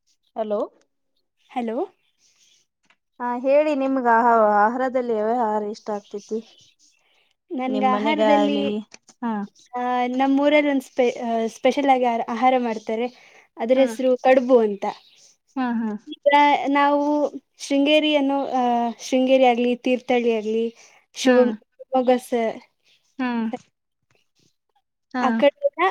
[inaudible] Hello hello ಹ ಹೇಳಿ ನಿಮ್ಗ ಆಹ ಆಹಾರದಲ್ಲಿವ ಆಹಾರ ಇಷ್ಟ ಆಗ್ತೇತಿ ನಿಮ್ಮ ನನ್ಗೆ ಮನೆಗ ಆಹಾರದಲ್ಲಿ ಆಾಗಲಿ ಹಾ ಆ ನಮ್ಮ್ಊರಲ್ಲಿ ಒಂದು ಸ್ಪ ಸ್ಪೆಷಲ್ ಆಗಿ ಆ ಆಹಾರ ಮಾಡ್ತಾರೆ ಅದ್ರ ಹ್ಮ ಹೆಸರು ಕಡುಬು ಅಂತ ಹಾ ಹಾ ಈಗ ನಾವು ಶೃಂಗೇರಿಯನ್ನುೋ ಅಹ ಶೃಂಗೇರಿ ಆಗ್ಲಿ ತೀರ್ಥಹಳ್ಳಿ ಆಗ್ಲಿ ಹಾ ಶಿವ ಮೊಗಸ್ ಹಾ ಹಾ ಆ ಕಡೆಲ್ಲ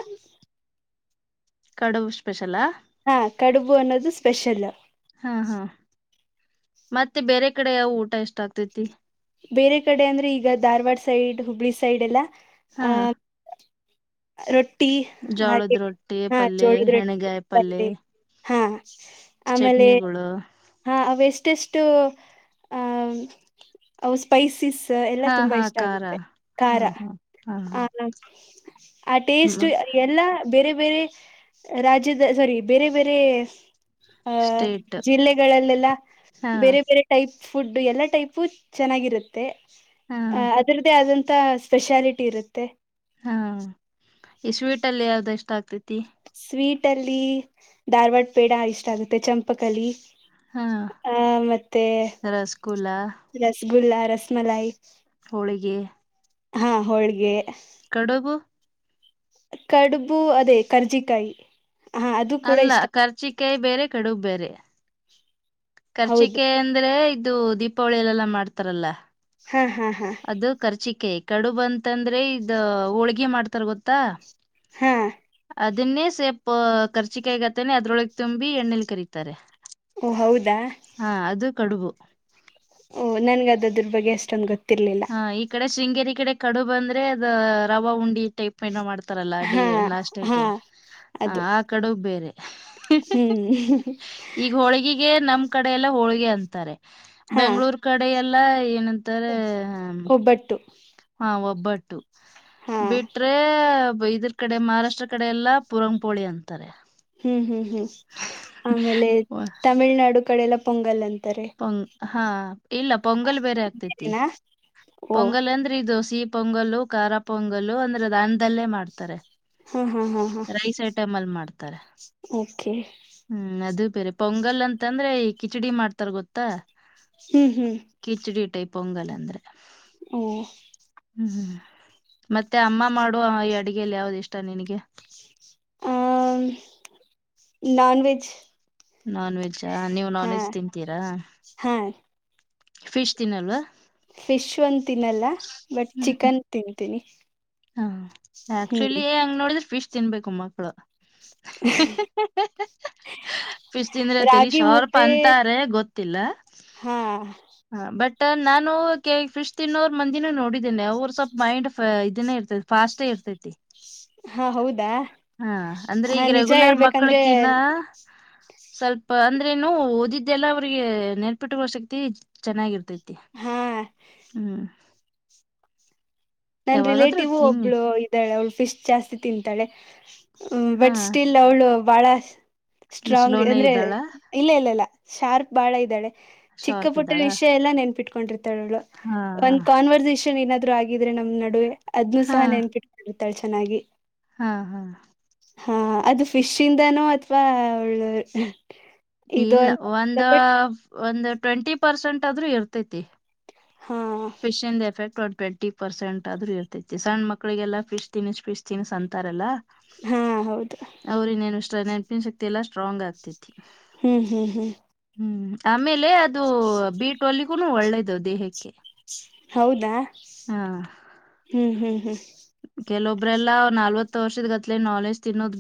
ಕಡವು ಸ್ಪೆಷಲಾ ಹಾ ಕಡುಬು ಅನ್ನೋದು ಸ್ಪೆಷಲ್ ಹಾ ಹಾ ಮತ್ತೆ ಬೇರೆ ಕಡೆ ಯಾವ ಊಟ ಎಷ್ಟಾಗಗ್ತತಿ ಬೇರೆ ಕಡೆ ಅಂದ್ರೆ ಈಗ ಧಾರ್ವಾಡ ಸೈಡ್ ಹುಬ್ಳಿ ಸೈಡ್ ಎಲ್ಲ ಹಾ ಆ ರೊಟ್ಟಿ ಹಾಗೆ ಜೋಳದ ರೊಟ್ಟಿ ಹಾ ಪಲ್ಯ ಜೋಳದ ರೊಟ್ಟಿ ಹೆಣಗಾಯಿ ಪಲ್ಯ ಬಂದೆ ಹಾ ಆಮೇಲೆ ಚಟ್ನಿಗಳು ಹಾ ಅವೆಷ್ಟೆಷ್ಟು ಆ ಅ ಸ್ಪೈಸಿಸಸ್ ಎಲ್ಲ ಹಾ ತುಂಬಾ ಹಾ ಇಷ್ಟ ಖಾರ ಆಗುತ್ತೆ ಹಾ ಖಾರ ಹಾ ಹಾ ಆ ಆ ಹಾ ಟೇಸ್ಟ್ ಎಲ್ಲ ಬೇರೆ ಬೇರೆ ರಾಜ್ಯದ ಸಾರಿ ಬೇರೆ ಬೇರೆ ಆ ಸ್ಟೇಟ್ ಜಿಲ್ಲೆಗಳಲ್ಲೆಲ್ಲ ಹಾ ಬೇರೆ ಬೇರೆ ಟೈಪ್ ಫುಡ್ಡು ಎಲ್ಲಾ ಟೈಪು ಚೆನ್ನಾಗಿರುತ್ತೆ ಹಾ ಅದ್ರದ್ದೇ ಆದಂತ ಸ್ಪೆಷಾಲಿಟಿ ಇರುತ್ತೆ ಹಾ ಈ ಸ್ವೀಟ್ ಅಲ್ಲಿ ಯಾವ್ದ ಎಷ್ಟ ಆಗ್ತೇತಿ ಸ್ವೀಟ್ ಅಲ್ಲಿ ಧಾರ್ವಾಡ ಪೇಡ ಇಷ್ಟ ಆಗುತ್ತೆ ಚಂಪಕಲಿ ಹಾ ಹ ಮತ್ತೆ ರಸಗುಲ್ಲ ರಸಗುಲ್ಲಾ ರಸಮಲಾಯಿ ಹಳಗೆ ಹಾ ಹೋಳ್ಗೆ ಕಡಬ ಕಡುಬು ಅದೇ ಕರ್ಜಿಕಾಯ ಅಲ್ಲ ಖರ್ಚಿಕಾಯಿ ಬೇರೆ ಕಡುಗ್ ಬೇರೆ ಹೌದು ಕರ್ಚಿಕೆ ಅಂದ್ರೆ ಇದು ದೀಪಾವಳಿಯ ಎಲ್ಲೆಲ್ಲಾ ಮಾಡ್ತಾರಲ್ಲ ಹ್ಮ್ ಹ್ಮ್ ಹ್ಮ ಅದು ಕರ್ಚಿಕೆ ಕಡುಬಂತಂದ್ರೆ ಇದ ಹೋಳ್ಗೆಿ ಮಾಡ್ತಾರ ಗೊತ್ತಾ ಹಾ ಅದ ಅನ್ನೇ ಸೇಪ್ ಕರ್ಚಿಕಾಯಗತ್ತೇನೆ ಅದ್ರೊಳಗ್ ತುಂಬಿ ಎಣ್ಣಲಿ ಕರೀತಾರೆ ಓ ಹೌದಾ ಹಾ ಅದು ಕಡುಬು ಓಹ ನನ್ ಅದ ಅದ್ರ ಬಗ್ಗೆ ಅಷ್ಟೊಂದ್ ಗೊತಿರ್ಲ್ಲ ಹ ಈ ಕಡೆ ಶೃಂಗೇರಿ ಕಡೆ ಕಡು ಬಂದ್ರೆ ಅದ ರವ ಉಂಡಿ ಟೈಪ್ ಪನ ಮಾಡ್ತಾರಲ್ಲ ಅಡಿ ಹಾ ಹಾ ನಾಷ್ಟಕ್ಕೆ ಆ ಅದು ಕಡುಬ್ ಬೇರೆ ಹ್ಮ್ ಈಗ ಹೋಳಿಗೆಗೆ ನಮ್ ಕಡೆ ಎಲ್ಲ ಹೋಳಿಗೆ ಅಂತಾರೆ ಹಾ ಬೆಂಗ್ಗಳೂರ್ ಕಡೆ ಎಲ್ಲ ಏನ ತ್ತರ ಒಬ್ಬಟ್ಟು ಹಾ ಒಬ್ಬಟ್ಟು ಹಾ ಬಿಟ್ರೆ ಇದ್ರ ಕಡೆ ಮಹಾರಾಷ್ಟ್ರ ಕಡೆ ಎಲ್ಲ ಪುರಂಗ್ಪೋಳಿ ಅಂತಾರೆ ಹ್ಮ್ ಹ್ಮ್ ಹ್ಮ್ ಆಮೇಲೆ ವ- ತಮಿಳ್ನಾಡು ಕಡೆಲ್ಲ ಪೊಂಗಲ್ ಅಂತಾರೆ ಹಂ ಹಾ ಇಲ್ಲ ಪೊಂಗಲ್ ಬೇರೆ ಆಗ್ತೇತಿ ಏನಾ ಓ ಪೊಂಗಲ್ ಅಂದ್ರೆ ಈ ದೋಸೆ ಪೊಂಗಲ್ ಖಾರ ಪೊಂಗಲ್ ಅಂದ್ರೆ ದಾನ್ದಲ್ಲೇ ಮಾಡ್ತಾರೆ ಹಾ ಹಾ ಹಾ ಹಾ ರೈಸ್ ಐಟಮ್ ಅಲ್ಲಿ ಮಾಡ್ತಾರೆ ಓಕೆ ಹ್ಮ್ ಅದು ಬೇರೆ ಪೊಂಗಲ್ ಅಂತಂದ್ರೆ ಕಿಚಡಿ ಮಾಡ್ತಾರ ಗೊತ್ತಾ ಹ್ಮ್ ಹ್ಮ್. ಕಿಚಡಿ ಟೈಪ್ ಪೊಂಗಲ್ ಅಂದ್ರೆ. ಓ. ಹ್ಮ್್ಮ ಮತ್ತೆ ಅಮ್ಮ ಮಾಡುವ ಈ ಅಡಗೆಲ್ಲಿ ಯಾವ್ದ ಇಷ್ಟ ನಿನಗೆ. ಹ ನಾನ್ ವೆಜ್. ನಾನ್ ವೆಜ್ ನೀವು್ ಹಾ ನಾನ್ ವೆಜ್ ತಿಂತೀರಾ. ಹಾ. ಫಿಶ್ ತಿನಲ್ವಾ. ಫಿಶ್ ಒಂದು ತಿನ್ನಲ್ಲ ಬಟ್ ಹ್ಮ್ ಚಿಕನ್ ತಿಂತೀನಿ. ಹಾ ಹ್ಮ್ ಆಕ್ಚುಲಿ ಹೆಂಗ್ ನೋಡಿದ್ರೆ ಫಿಶ್ ತಿನ್ಬೇಕು ಮಕ್ಳು. [inaudible] ಫಿಷ್ ತಿಂದ್ರೆ ಟೆಲಿ ರಾಗಿ ಶಾರ್ಪ್ ಮುದ್ದೆ ಅಂತಾರೆ ಗೊತ್ತಿಲ ಹಾ. ಹ ಬಟ್ ನಾನು ಕೆಲವರು ಫಿಶ್ ತಿನ್ನೋರು ಮಂದಿನೂ ನೋಡಿದ್ದೇನೆ ಅವರು ಸ್ವಲ್ಪ ಮೈಂಡ್ ಇದನ್ನೇ ಇರ್ತದೆ. ಫಾಸ್ಟ್ ಇರ್ತೈತಿ. ಹಾ ಹೌದಾ ಹಾ ಅಂದ್ರೆ ಹಾ ಈಗ ನಿಜ ರೆಗ್ಯುಲರ್ ಹೇಳ್ಬೇಕಂದ್ರೆ ಮಕ್ಳಕ್ಕಿನ್ನ ಸ್ವಲ್ಪ ಅಂದ್ರೆ ನು ಓದಿದ್ದೆಲ್ಲ ಅವ್ರಿಗೆ ನೆನಪಿಟ್ಟುುವ ಶಕ್ತಿ ಚೆನ್ನಾಗಿರ್ತೈತಿ. ಹಾ ಹ್ಮ್. ನನ್ ಯಾವಾಗಾದ್ರೂ ರಿಲೇಟಿವ್ ತಿನ್ನಿ ಒಬ್ಳು- ಅವಳು ಫಿಶ್ ಜಾಸ್ತಿ ತಿಂತಾಳೆ ಹ ಹಾ ಬಟ್ ಸ್ಟಿಲ್ ಅವಳು ಬಾಳ. ಇಲ್ಲ ಸ್ಟ್ರಾಂಗ್ ಸ್ಲೋನೇ ಅಂದ್ರೆ ಇದ್ದಾಳ ಇಲ್ಲ ಇಲ್ಲ ಶಾರ್ಪ್ ಬಾಳ ಇದ್ದಾಳೆ. ಚಿಕ್ಕ ಶಾರ್ಪ್ ಪುಟ್ಟ ಇದ್ದಾಳ ವಿಷಯ ಎಲ್ಲಾ ನೆನ್ಪಿಟ್ಕೊಂಡಿರ್ತಾಳು ಹಾ ಒಂದ್ ಕಾನ್ವೆರ್ಸೆಟ್ ಏನಾದ್ರು ಆಗಿದ್ರೆ ನಮ್ ನಡುವೆ ಅದ್ನ್ನುೂ ಹಾ ಸಹ ನೆನ್ಪಿಟ್ಕೊಂಡತಾಳೆ ಚೆನ್ನಾಗಿ. ಹಾ ಹಾ. ಹಾ ಅದು ಫಿಶ್ ಇಂದನೋ ಅಥವಾ ಅವ್ಳು. ಇಲ್ಲ ಒಂದ ಒಂದ್ ಟ್ವೆಂಟಿ ಪರ್ಸೆಂಟ್ ಆದ್ರೂ ಇರ್ತೈತಿ. ಹಾ ಫಿಶ ಇಂಡು ಎಫೆಕ್ಟ್ ಒಂದ್ ಟ್ವೆಂಟಿ. ಪರ್ಸೆಂಟ್ ಆದ್ರೂ ಇರ್ತೈತಿ ಸಣ್ಣ ಮಕ್ಕಳಿಗೆಲ್ಲ ಫಿಶ್ ತಿನಿಸ್ ಫಿಶ್ ತಿನಿಸ್ ಅಂತಾರಲ್ಲಾ. ಹಾಂ ಹೌದು. ಅವ್ರ ನೆನ್ಷ್ಟ ನೆನಪಿನ ಶಕ್ತಿ ಎಲ್ಲಾ ಸ್ಟ್ರಾಂಗ್ ಆಗ್ತೈತಿ. ಹ್ಮ್ ಹ್ಮ್ ಹ್ಮ್ ಹ್ಮ್ ಆಮೇಲೆ ಅದು ಬೀಟ್ ಅಲ್ಲಿಗೂ ಒಳ್ಳೇದವು ದೇಹಕ್ಕೆ ಹೌದಾ ಹಾ ಹ್ಮ್ ಹ್ಮ್ ಹ್ಮ್ ಕೆಲೊಬ್ರೆಲ್ಲಾ ನಾಲ್ವತ್ತು ವರ್ಷದ ಗತ್ಲೆ ನಾಲೆಜ್ ತಿನ್ನೋದ್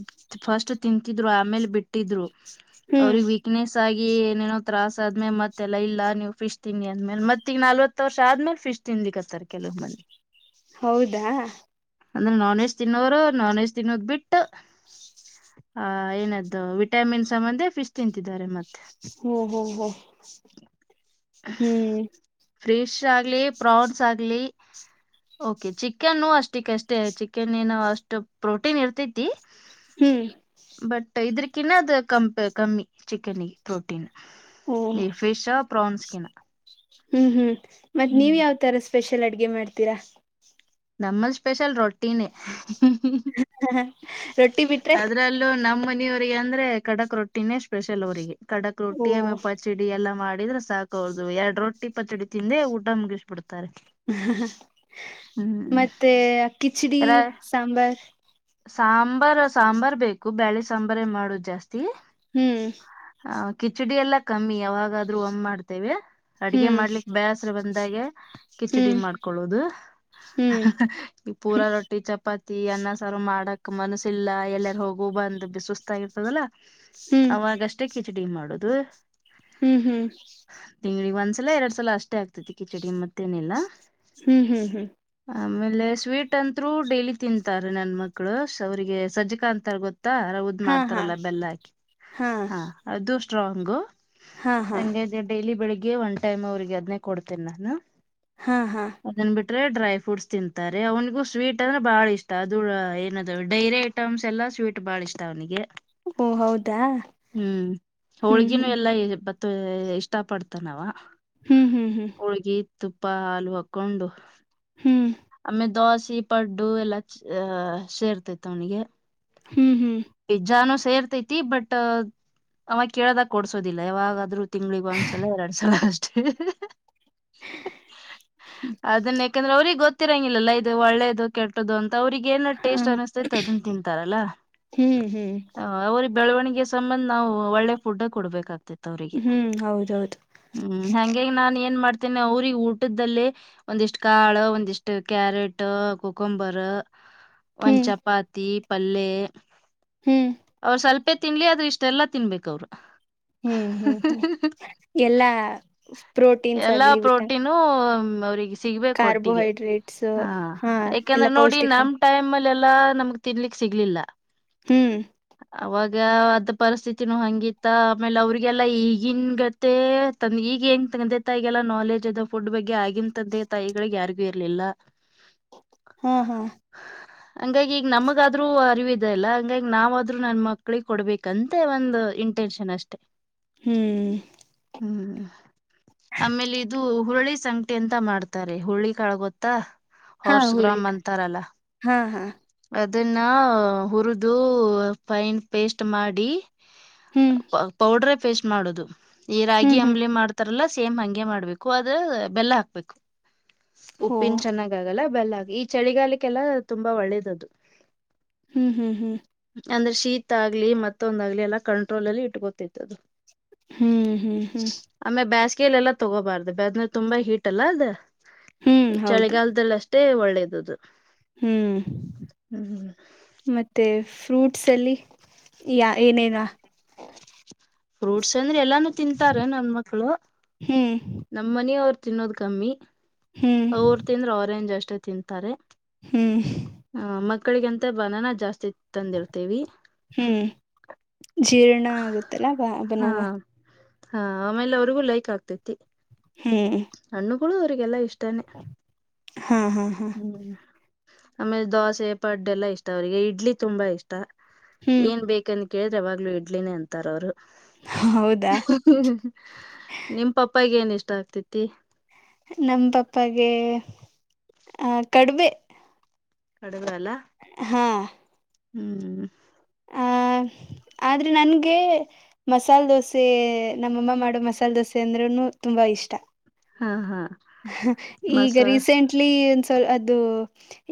ಫಸ್ಟ್ ತಿಂತಿದ್ರು ಆಮೇಲೆ ಬಿಟ್ಟ ಇಟ್ಟಿದ್ರು ಹ್ಮ್ ಅವ್ರಿಗೆ ವ ಪಿಕ್ನೆಸ್ ಆಗ ಏೇನೋ ತತ್ರಾಸ ಆದ್ಮೇ ಮತ್ತೆಲ್ಲ ಇಲ್ಲ ನೀವು ಫಿಶ್ ತಿಂಡಿ ಆದ್ಮೇಲೆ ಮತ್ತ ಈಗ ನಲ್ವತ್ತು ವರ್ಷ ಆದ್ಮೇಲೆ ಫಿಶ್ ತಿಿಂದಿಿಕತ್ತರ್ ಕೆಲವು ಮಂದಿ ಹೌದಾ ಅಂದ್ರೆ ನಾನ್ ವೆಜ್ ತಿನ್ನೋರು ನಾನ್ ವೆಜ್ ತಿನ್ನೋದ್ ಬಿಟ್ಟು ಆ ಏನದ್ದು ವಿಟಾಮಿನ್ ಸಂಬಂಧೆ ಫಿಶ್ ತಿಂತಿದ್ದಾರೆ ಮತ್ತೆ ಹಓ ಹೋ ಹೋ ಹ್ಮ್ ಫ್ರಿಶ್ ಆಗ್ಲಿ ಪ್ರೌನ್ಸ್ ಆಗ್ಲಿ ಓಕೆ ಚಿಕನ್ನು ಅಷ್ಟ ಕ್ ಅಷ್ಟೇ ಚಿಕನ್ ಏನ ಅಷ್ಟು ಪ್ರೋಟೀನ್ ಇರ್ತೈತಿ ಹ್ಮ್ ಬಟ್ ಇದ್ರಕಿನ್ನ ಅದು ಕಪ ಕಮ್ಮಿ ಚಿಕನ್ ಗೆ ಪ್ರೋಟೀನ್ ಓ ಈ ಫಿಶ್ ಪ್ರೋನ್ಸ್ಕಿನ ಹ್ಮ್ ಹ್ಮ್ ಮತ್ ನೀವ್ ಯಾವ್ ತರ ಸ್ಪೆಷಲ್ ಅಡ್ಗೆ ಮಾಡ್ತೀರಾ ನಮ್ಮ ಸ್ಪೆಷಲ್ ರೊಟ್ಟಿನೇ ರೊಟ್ಟಿ ಬಿಟ್ರೆ ಅದ್ರಲ್ಲೂ ನಮ್ಮ ನೀವ್ರರಿಗೆ ಅಂದ್ರೆ ಕಡಕ್ ರೊಟ್ಟಿನೇ ಸ್ಪೆಷಲ್ ಅವರಿಗೆ ಕಡಕ್ ಓ ರೊಟ್ಟಿ ಆಮೇ ಪಚಿಡಿ ಎಲ್ಲ ಮಾಡಿದ್ರೆ ಸಾಕು ೌದು ಎರಡ್ ರೊಟ್ಟಿ ಪಚಡಿ ತಿಂದೆ ಊಟ ಮುಗಿಸ್ಬ ಬಿಡ್ತಾರೆ ಹ ಮತ್ತೆ ಕಿಚಡಿ ರ ಸಾಂಬಾರ್ ಸಾಂಬಾರ್ ಸಾಂಬಾರ್ ಬೇಕು ಬೇಳೆ ಸಾಂಬಾರ್ ಮಾಡೋುದು ಜಾಸ್ತಿ ಹ್ಮ್ ಹ ಕಿಚಡಿ ಎಲ್ಲ ಕಮ್ಮಿ ಯಾವಾಗಾದ್ರೂ ಒಮ್ಮ್ ಮಾಡ್ತೇವೆ ಅಡ್ಗೆ ಹ್ಮ್ ಮಾಡ್ಲಿಕ್ ಬೇಸರ ಬಂದಾಗ ಕಿಚಡಿ ಹ್ಮ್ ಮಾಡ್ಕೊೊಳ್ಳೋದು ಹ್ಮ್ ಪೂಾ ರೊಟ್ಟಿ ಚಾಪಾತ್ ತಿ ಅನ್ನ ಸಾರ ಮಾಡಕ್ ಮನಸಿಲ್ಲ ಎಲ್ಲಾರ ಹೋಗು ಬಂದ್ ಬಿಸಸ್ ತ ಇರ್ತದಲ್ಲ ಹ್ಮ್ ಅವಾಗಷ್ಟೇ ಕಿಚಡಿ ಮಾಡುದು ಹ್ಮ್ ಹ್ಮ್ ತಿಂಗಳಿಗೆ ಒಂದ್ಸಲ ಎರಡ್ ಸಲ ಅಷ್ಟೇ ಆಗ್ತೈತಿ ಕಿಚಡಿ ಮತ್ತೇನೆಲ್ಲಾ ಹ್ಮ್ ಹ್ಮ್ ಹ್ಮ್ ಆಮೇಲೆ ಸ್ವೀಟ್ ಅಂತರು ಡೈಲಿ ತಿಂತಾರೆ ನನ್ ಮಕ್ಕಳು ಅವ್ರಿಗೆ ಸಜ್ಜಾ ಅಂತ ಗೊತ್ತಾ ಹಾ ಹಾ ಮಾಡ್ತಾರಲ್ಲ ಬೆಲ್ಲ ಹಾಕಿ ಹಾ ಹ ಅದು ಸ್ಟ್ರಾಂಗ ಹಾ ಹಾ ಡೈಲಿ ಬೆಳಿಗ್ಗೆ ಒನ್ ಟೈಮ್ ಅವ್ರಿಗೆ ಅದನೇ ಕೊಡ್ತೇನೆ ನಾನು ಹಾ ಹಾ ಅದನ್ ಬಿಟ್ರೆ ಡ್ರೈ ಫ್ರೂಟ್ಸ್ ತಿಂತಾರೆ ಅವನಿಗೂ ಸ್ವೀಟ್ ಅಂದ್ರೆ ಬಹಳ ಇಷ್ಟ ಅದು ಏನದ ಡೈರಿ ಐಟಮ್ಸ್ ಎಲ್ಲಾ ಸ್ವೀಟ್ ಬಾಳ ಇಷ್ಟ ಅವ್ನಿಗೆ ಓ ಹೌದಾ ಹ್ಮ್ ಹ್ಮ್ ಹೋಳ್ಗಿನೂ ಹ್ಮ್ ಎಲ್ಲ ಬತ್ತ ಇಷ್ಟ ಪಡ್ತಾನವ ಹ್ಮ್ ಹ್ಮ್ ಹ್ಮ್ ಹೋಳ್ಗಿ ತುಪ್ಪ ಹಾಲು ಹಾಕ್ಕೊಂಡು ಹ್ಮ್ ಆಮೇ ದೋಸೆ ಪಡ್ಡು ಎಲ್ಲ ಅಹ ಸೇರ್ತೆತ್ತು ಅವನಿಗೆ ಹ್ಮ್ ಹ್ಮ್ ಪಿಜ್ಜಾನು ಸೇರ್ತೈತಿ ಬಟ್ ಅವಾಗ ಕೇಳದಾಗ ಕೊಡ್ಸೋದಿಲ್ಲ ಯಾವಾಗಾದ್ರು ತಿಂಗ್ಳಿಗೆಗ್ ಒಂದ್ಸಲ ಎರಡ್ ಸಲ ಅಷ್ಟೇ ಅದನ್ನ ಯಾಕಂದ್ರೆ ಅವ್ರಿಗೆ ಗೊತ್ತಿರಂಗಿಲ್ಲಲ್ಲ ಇದು ಒಳ್ಳೇದು ಕೆಟ್ಟದದು ಅಂತ ಅವ್ರಿಗೆ ಏನ ಹಾ ಟೇಸ್ಟ್ ಅನಿಸಸ್ತೈತ್ ಅದನ್ನ ತಿಂತಾರಲ್ಲಾ ಹ್ಮ್ ಹ್ಮ್ ಅವ್ರ ಬೆಳವಣಿಗೆ ಸಂಬಂದ ನಾವು ಒಳ್ಳೆ ಫುಡ್ ಕೊಡ್ಬೇಕಾಗ್ತಿತ್ತು ಅವ್ರಿಗೆ ಹ್ಮ್ ಹೌದೌದು ಹ್ಮ್ ಹಂಗಂಗ ನಾನ್ ಏನ್ ಮಾಡ್ತೇನೆ ಅವ್ರಗ್ ಊಟ್ದದಲ್ಲಿ ಒಂದಿಷ್ಟ್ ಕಾಳು ಒಂದಿಷ್ಟು ಕ್ಯಾರೆಟ್ ಕೊಕೊಂಬರ್ ಒಂದು್ ಹ್ಮ್ ಚಪಾತಿ ಪಲ್ಲೆ ಹ್ಮ್ ಅವ್ರ ಸ್ವಲ್ಪೇ ತಿನ್ಲಿ ಆದ್ರೆ ಇಷ್ಟೆಲ್ಲ ತಿನ್ಬೇಕ ಅವ್ರರು ಹ್ಮ್ ಹ್ಮ್ ಹ್ಮ್ ಎಲ್ಲಾ ಪ್ರೋಟ್ ಎಲ್ಲಾ ಪ್ರೋಟೀನು ಅವ್ರಿಗೆ ಸಿಗ್ಬೇಕ ಒಟ್ಟಿಗೆ ಕಾರ್ಬೋಹೈಡ್ರೇಟ್ಸ್ ಹಾ ಎಲ್ಲ ಯಾಕಂದ್ರೆ ನೋಡಿ ಪೌಷ್ಟಿಕ ನಮ ಟೈಮ್ಲ್ಲಿ ಎಲ್ಲಾ ನಮ್ಗ್ ತಿನ್ಲಿಕ್ ಸಿಗ್ಲಿಲ್ಲ ಹ್ಮ್ ಅವಾಗ ಅದು ಪರಿಸ್ಥಿತಿಿನ ಹಂಗಿತ್ತ ಆಮೇಲೆ ಅವ್ರಿಗೆಲ್ಲ ಈಗಿನ್ ಗತ್ತ ತಂದ ಈಗ ಹೆಂಗ ತಂದೆ ತಾಯಿಗೆಲ್ಲಾ ನಾಲೆಜ್ ಇದೆ ಫುಡ್ ಬಗ್ಗೆ ಆಗಿಮ ತ್ದೆ ತಾಯಿಗಳಿಗೆ ಯಾರಿಗು ಇರ್ಲಿಲ್ಲ ಹಾ ಹಾ ಹಂಗಾಗಿ ಈಗ ನಮಗಾದ್ರೂ ಅರಿವ ಇಲ್ಲ ಹಂಗಂಗ ನಾವ ಆದ್ರೂ ನನ್ ಮಕ್ಳಿಗೆ ಕೊಡ್ಬೇಕಂತೆ ಒಂದು ಇಂಟೆನ್ಷನ್ ಅಷ್ಟೆ ಹ್ಮ್ ಹ್ಮ್ ಆಮೇಲೆ ಇದು ಹುಳಿ ಸಂಕಟೆ ಅಂತ ಮಾಡ್ತಾರೆ ಹುಳಿ ಕಾಳ ಗೊತ್ತಾ ಹಾ ಹಾರ್ಸ್ ಗ್ರಾಮ್ ಹುರುಳಿಕ ಅಂತಾರಲ್ಲ ಹಾ ಹಾ ಅದನ್ನ ಹುರಿದು ಫೈನ್ ಪೇಸ್ಟ್ ಮಾಡಿ ಹ್ಮ್ ಪೌಡ್ರ ಪೇಸ್ಟ್ ಮಾಡುದು ಈ ರಾಗಿ ಹ್ಮ್ ಹ್ಮ್ ಅಂಬ್ಲಿ ಮಾಡ್ತ ಸೇಮ್ ಹಗೆ ಮಾಡ್ಬೇಕು ಅ ಬೆಲ್ಲ ಹಾಕ್ಬೇಕು ಓ ಉಿನ ಚ ಲ್ಲ ಬಲ್ಲ ಆ ಈ ಚಳಿಗಾಲಕ್ಕೆೆಲ್ಲಾ ತುಂಬಾ ಒಳ್ಳೇದ್ದದು ಹ್ಮ್ ಹ್ಮ್ ಹ್ಮ್ ಅಂದ್ರೆ ಶೀತ ಆಗ್ಲಿ ಮತ್ತೊಂದ ಆಗ್ಲಿ ಎಲ್ಲಾ ಕಂಟ್ರೋಲ್ ಅಲ್ಲಿ ಇಟ್ಕೊತತ್ತುದು ಹ್ಮ್ ಹ್ಮ್ ಹ್ಮ್ ಆಮೆ ಬೇಸ್ಗೆಯಲೆ ಎಲ್ಲಾ ತಗೋಬಾರ್ದ ಬೆದ್ಮೇಲೆ ತುಂಬಾ ಹೀಟ್ ಅಲ್ಲ ಅದ ಹ್ಮ್ ಹೌದು ಚಳಿಗಾಲದದಲ್ಲಿ ಅಷ್ಟೇ ತ್ತೆ ಒಳ್ಳೇದುದು ಹ್ಮ್ ಮತ್ತೆ ಫ್ರೂಟ್ಸ್ ಅಲ್ಲಿ ಯ ಏನೇನ್ ಫ್ರೂಟ್ಸ್ ಅಂದ್ರೆ ಎಲ್ಲಾನು ತಿಂತಾರೆ ನನ್ ಮಕ್ಳು ಹ್ಮ್ ನಮ್ಮ ಮನಿ ಅವರು ತಿನ್ನೋದ ಕಮ್ಮಿ ಹ್ಮ್ ಅವರು ತಿಂದ್ರ ಅವರೆೇಂಜ್ ಅಷ್ಟೇ ತಿಂತಾರೆ ಹ್ಮ್ ಹ ಮಕ್ಕಳಿಗಂತ ಬನನ ಜಾಸ್ತಿ ತಂದಿರ್ತೇವಿ ಹ್ಮ್ ಜೀರ್ಣ ಆಗತ್ತಲ್ಲ ಬ ಬನ ಹಾ ಹಾ ಆಮೇಲೆ ಅವ್ರಿಗೂ ಲೈಕ್ ಆಗ್ತೈತಿ ಹ್ಮ್ ಹಣ್ಣುಗಳು ಅವರಿಗೆಲ್ಲಾ ಇಷ್ಟನೇ ಹಾ ಹಾ ಹಾ ಹ್ಮ್ ಆಮೇಲೆ ದೋಸೆ ಪಡ್ಡೆ ಎಲ್ಲಾ ಇಷ್ಟ ಅವರಿಗೆ ಇಡ್ಲಿ ತುಂಬಾ ಇಷ್ಟ ಹ್ಮ್ ಏನ್ ಬೇಕಂತ ಕೇಳಿದ್ರೆ ಅವಾವಾಗ್ಲುೂ ಇಡ್ಲಿನೇ ಅಂತಾರ ಅವರು ಹೌದಾ ನಿಮ್ ಪಪ್ಪಗ ಏನ್ ಇಷ್ಟ ಆಗ್ತಿತಿ ನಮ್ಮ ಪಪ್ಪಗೆ ಆ ಕಡುಬೆ ಕಡಗ ಅಲ್ಲ ಹಾ ಹ್ಮ್ ಆಹ ಆದ್ರೆ ನನ್ಗೆ ಮಸಾಲೆ ದೋಸೆ ನಮ್ಮಮ್ಮ ಮಾಡುವ ಮಸಾಲೆ ದೋಸೆ ಅಂದ್ರೂ ತುಂಬಾ ಇಷ್ಟ ಹಾ ಹಾ ಹ ಈಗ ಮಸಾ ರೀಸೆಂಟ್ಲಿ ಒಂದಸಲ್ ಅದು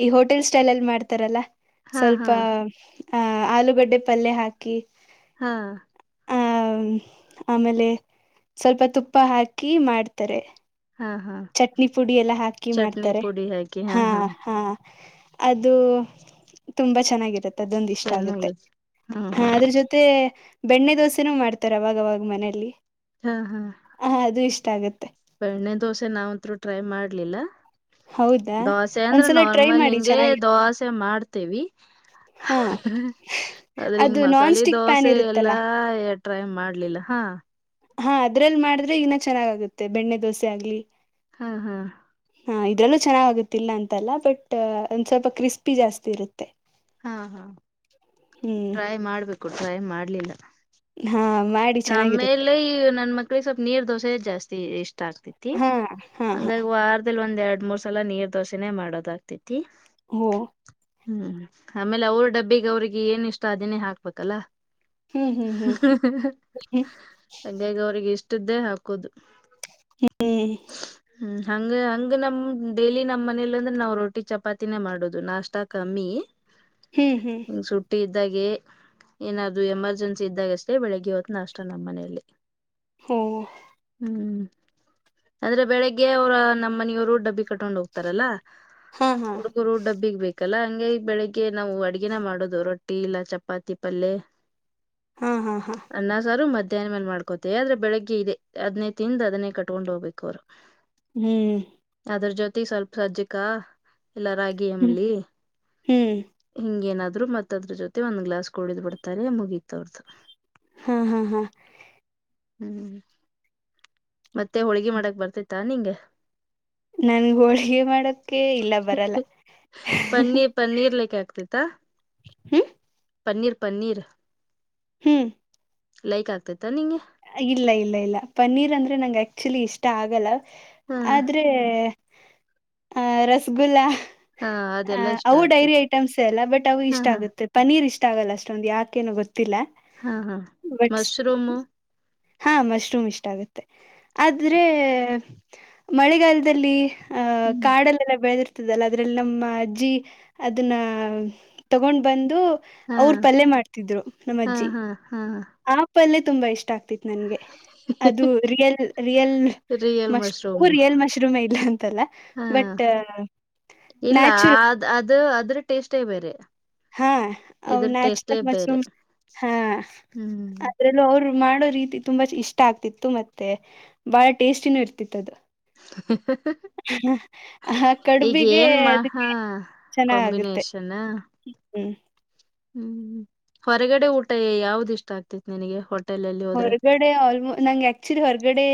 ಈ ಹೋಟೆಲ್ ಸ್ಟೈಲ್ ಅಲ್ಲಿ ಮಾಡ್ತಾರಲ್ಲಾ ಹಾ ಸ್ವಲ್ಪ ಹಾ ಆಹ ಆಲೂಗಡ್ಡೆ ಪಲ್ಯ ಹಾಕಿ ಹಾ ಆಹ್ ಆಮೇಲೆ ಸ್ವಲ್ಪ ತುಪ್ಪ ಹಾಕಿ ಮಾಡ್ತಾರೆ ಹಾ ಹಾ ಚಟ್ನಿ ಪುಡಿ ಎಲ್ಲ ಹಾಕಿ ಚಟ್ನಿ ಮಾಡ್ತಾರೆ ಪುಡಿ ಹಾಕಿ ಹಾ ಹಾ ಅದು ತುಂಬಾ ಚೆನ್ನಾಗಿರು ದೊಂದು ಇಷ್ಟ ಆಗುತ್ತೆ ಚೆನ್ನಾಗಿ ಹಾ ಅದ್ರ ಜೊತೆ ಬೆಣ್ಣೆ ದೋಸೆನೂ ಮಾಡ್ತಾರ ಅವಾಗವಾಗ ಮನೆಯಲ್ಲಿ ಹಾ ಹಾ ಹ ಅದು ಇಷ್ಟ ಆಗತ್ತೆ ಬೆಣ್ಣೆ ದೋಸೆ ನಾವಂತೂ ಟ್ರೈ ಮಾಡ್ಲಿಲ್ಲ ಹೌದಾ ದೋಸೆ ಅಂದ್ರ ಒಂದ್ಸಲ ಟ್ರೈ ನಾರ್ಮಲ್ ಮಾಡಿ ಹಿಂಗಗೆ ಚೆನ್ನಾಗಿ ದೋಸೆ ಮಾಡ್ತೇವಿ ಹಾ ಅದ್ರಿಂಗ ಅದು ನಾನ್ ಮಸಾಲೆ ಸ್ಟಿಕ್ ಪ್ಯಾನ್ ದೋಸೆ ಇರುತ್ತಲ್ಲಾ ಎಲ್ಲಾ ಎ ಟ್ರೈ ಮಾಡ್ಲಿಲ್ಲ ಹಾ ಹಾ ಅದ್ರಲ್ಲಿ ಮಾಡಿದ್ರೆ ಈನ್ನ ಚೆನ್ನಾಗಾಗುತ್ತೆ ಬೆಣ್ಣೆ ದೋಸೆ ಆಗ್ಲಿ ಹಾ ಹಾ ಹಾ ಇದ್ರಲ್ಲೂ ಚೆನ್ನಾಗಾಗುತ್ತಿಲ್ಲ ಅಂತಲ್ಲ ಬಟ್ ಒಂದ್ ಸ್ವಲ್ಪ ಕ್ರಿಸ್ಪಿ ಜಾಸ್ತಿ ಇರುತ್ತೆ ಹಾ ಹಾ ಹ್ಮ್ ಟ್ರೈ ಮಾಡ್ಬೇಕು ಟ್ರೈ ಮಾಡ್ಲಿಲ್ಲ ಹಾ ಮಾಡಿ ಚೆನ್ನಾಗಿರುತ್ತೆ ಆಮೇಲೆ ಈ ನನ್ ಮ ಇ ಸ್ವಲ್ಪ ನೀರ್ ದೋಸೆ ಜಾಸ್ತಿ ಇಷ್ಟ ಆಗ್ತಿತಿ ಹಾ ಹಾ ಹಾ ಹಂಗಾಗಿ ವಾರ್ ದಲ್ಲಿ ಒಂದ್ ಎರಡ್ ಮೂರ್ ಸಲ ನೀರ್ ದೋಸೆನೆ ಮಾಡೋದ ಆಗ್ತತಿ ಹ ಹ್ಮ್ ಆಮೇಲೆ ಅವ್ರ ಡಬ್ಬಿಗೆ ಅವ್ರಿಗೆ ಏನ್ ಇಷ್ಟ ಅದನೇ ಹಾಕ್ಬೇಕಲ್ಲ ಹ್ಮ್ ಹ್ಮ್ ಹ್ಮ್ ಹ್ಮ್ ಹಂಗಾಗಿ ಅವಿಗೆ ಇಷ್ಟ್ದೇ ಹಾಕೋದು ಹ್ಮ್ ಹ ಹ್ಮ್ ಹಂಗ ಹಂಗ ನಮ್ ಡೈಲಿ ನಮ್ಮ್ ಮನೇಲಿ ಅಂದ್ರೆ ನಾವ್ ರೋಟಿ ಚಪಾತಿನೇ ಮಾಡೋುದು ನಾಷ್ಟ ಕಮ್ಮಿ ಹ್ಮ್ ಹ್ಮ್ ಸುಟ್ಟಿ ಇದ್ದಾಗೆ ಏನಾದ್ ಎಮರ್ಜೆನ್ಸಿ ಇದ್ದಾಗ ಅಷ್ಟೇ ಬೆಳಿಗ್ಗೆ ದ್ತನ ಅಷ್ಟ ನಮ್ಮ ಮನೆಯಲ್ಲಿ ಹ್ಮ್ ಹ್ಮ್ ಅಂದ್ರೆ ಬೆಳಿಗ್ಗೆ ಅವರ ನಮ್ಮ ಮನಿಯವರು ಡಬ್ಬಿ ಕಟ್ಕೊಂಡು ಹೋಗ್ತಾರಲ್ಲಾ ಹಾ ಹಾ ಹುಡುಗರು ಡಬ್ಬಿಗ್ ಬೇಕಲ್ಲ ಹಂಗೆ ಈ ಬೆಳಿಗ್ಗೆ ಗೆ ನಾವು ಅಡ್ಗೆನ ಮಾಡೋುದು ರೊಟ್ಟಿ ಇಲ್ಲ ಚಪಾತಿ ಪಲ್ಯ ಹಾ ಹಾ ಹಾ ಅನ್ನ ಸಾರು ಮಧ್ಯಾಹ್ನ ಮೇಲೆ ಮಾಡ್ಕೋತೇವಿ ಆದ್ರೆ ಬೆಳಗ್ಗೆ ಇದದೆ ಅದ್ನೇ ತಿಂದು ಅದನ್ನೇ ಕಟ್ಕೊಂಡು ಹೋಗ್ಬೇಕು ಅವ್ರು ಹ ಹ್ಮ್ ಅದ್ರ ಜೊತೆಗೆ ಸ್ವಲ್ಪ ಸಜ್ಜಕ ಎಲ್ಲಾ ರಾಗಿ ಎಂಬ್ಲಿ ಹ್ ಹಿಂಗೇಏನಾದ್ರು ಮತ್ ಅದ್ರ ಜೊತೆ ಒಂದ್ ಗ್ಲಸ್ ಕುಡಿದ್ ಬಿಡ್ತಾರೆ ಮುಗೀತವ್ರ್ದ ಹಾ ಹಾ ಹಾ ಹ್ಮ್ ಮತ್ತೆ ಹೋಳ್ಗಿ ಮಾಡಕ್ ಬರ್ತತಾ ನಿಂಗೆ ನನ್ಗೆ ಹೋಳ್ ಗೆ ಮಾಡಕ ಇಲ್ಲ ಬರಲ್ಲ ಪನ್ನೀರ್ ಪನ್ನೀರ್ ಲೆಕ್ಕ ಆಗ್ತತ್ತಾ ಹ್ಮ ಪನ್ನೀರ್ ಪನ್ನೀರ್ ಹ್ಮ್ ಲೈಕ್ ಆಗ್ತತ್ತ ನಿಂಗೆ ಇಲ್ಲ ಇಲ್ಲ ಇಲ್ಲ ಪನ್ನೀರ್ ಅಂದ್ರೆ ನಂ ಆಕ್ಚುಲಿ ಇಷ್ಟ ಆಗಲ್ಲ ಹಾ ಆದ್ರೆ ಆ್ ರಸಗುಲ್ಲಾ ಹಾ ಅ ಅದೆಲ್ಲಾ ಇಷ್ಟ ಅವು ಡೈರಿ ಆಗ್ತೈತಿ ಐಟಮ್ಸ್ ಎಲ್ಲ ಬಟ್ ಅವು ಹಾ ಇಷ್ಟ ಹಾ ಆಗುತ್ತ ಪನೀರ್ ಇಷ್ಟ ಆಗಲ್ಲ ಅಷ್ಟೊಂದು ಯಾಕೇನುೋ ಗೊತ್ತಿಲ್ಲ ಹಾ ಹಾ ಬಟ್ ಮಶ್ರೂಮ್ ಹಾ ಮಶ್ರೂಮ್ ಇಷ್ಟ ಆಗುತ್ತೆ ಆದ್ರೆ ಮಳೆಗಾಲದಲ್ಲಿ ಆಹ್ ಕಾಡಲ್ಲೆಲ್ಲಾ ಬೆಳೆದಿರ್ತ ಲ್ಲ ಅದ್ರಲ್ಲಿ ನಮ್ಮ ಅಜ್ಜಿ ಅದನ್ನ ತಗೊಂಡ್ ಬಂದು ಅವ್ರ ಪಲ್ ಮಾಡ್ತಿದ್ರು ನಮ್ಮ ಅಜ್ಜಿ ಹ್ಮ್ ಹ್ಮ್ ಹ್ಮ ಆಪ್ ಅಲ್ಲೇ ತುಂಬಾ ಇಷ್ಟ ಆಗ್ತಿತ್ ನನ್ಗೆ ಅದು real real mushroom real mushroom ಇಲ್ಲ ಅಂತಲ್ಲ ಹಾ ಬಟ್ ನ್ಯಾಚುರಲ್ ಅದ ಅದ್ರ ಟೇಸ್ಟೇ ಬೇರೆ ಹಾ ಇದ್ರ ಟೇಸ್ಟೇ ನ್ಯಾಚುರಲ್ ಬೇರೆ ಮಶ್ರೂಮ್ ಹಾ ಹ್ಮ್ ಅ್ರ ಇಲ್ಲ ಅವರು ಮಾಡೋ ರೀತಿ ತುಂಬಾ ಇಷ್ಟ ಆಗ್ತಿತ್ತು ಮತ್ತೆ ಬಹಳ ಟೇಸ್ಟಿನೂ ಇರ್ತಿತ್ತು ಅದು [unintelligible] ಆ ಈಗ ಕಡುಬಿಗೆ ಏನ್ ಮಹಾ ಅದಕ್ಕೆ ಚೆನ್ನಾಗಗುತ್ತೆ ಕಾಂಬಿನೇಷನ್ ಹ್ಮ್ ಹ್ಮ್ ಹೊರಗಡೆ ಊಟ ಯಾವ್ದ ಇಷ್ಟ ಆಗ್ತಿತಿ ನಿನಗೆ ಹೊಟ್ಟೆ ಹೊರಗಡೆ ಆಲ್ಮೋಟ್ ನಂಗೆ ಆಕ್ಚುಲಿ ಹೊರಗಡೆ